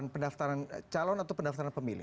pendaftaran calon atau pendaftaran pemilih